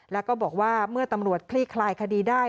แล้วก็บอกว่าเมื่อตำรวจคลี่คลายคดีได้